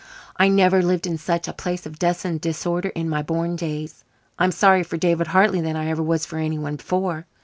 I never lived in such a place of dust and disorder in my born days. I'm sorrier for David Hartley than I ever was for anyone before."